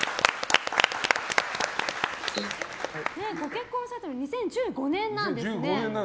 ご結婚されたの２０１５年なんですね。